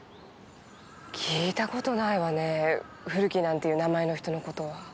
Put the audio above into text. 聞いた事ないわねぇ古木なんていう名前の人の事は。